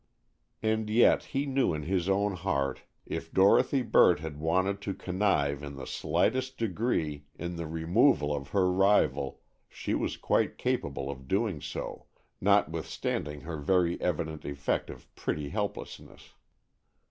And yet he knew in his own heart if Dorothy Burt had wanted to connive in the slightest degree in the removal of her rival, she was quite capable of doing so, notwithstanding her very evident effect of pretty helplessness.